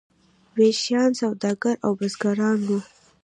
ویشیان سوداګر او بزګران وو.